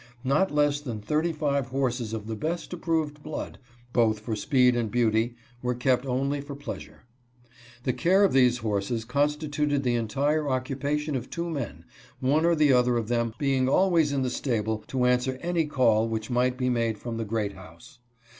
Not less thaw thirty five horses of the best approved blood, both for speed and beauty, were kept only for pleasure. The caro of these horses constituted the entire occupation of two men, one or the other of them being always in the stable to answer any call which might be made from the Great House.